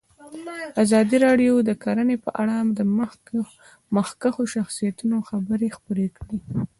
ازادي راډیو د کرهنه په اړه د مخکښو شخصیتونو خبرې خپرې کړي.